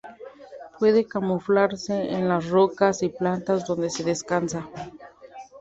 Puede camuflarse en las rocas y plantas donde descansa.